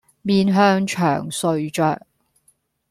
面向牆睡着